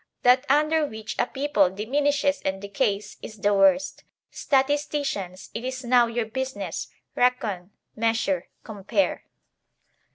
That under which a people diminishes and decays, is the worst. Statisticians, it is now your business; reckon, measure, compare.